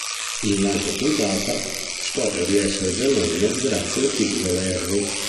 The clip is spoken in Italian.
In un'altra puntata, scopre di essere già nonno grazie al figlio Larry.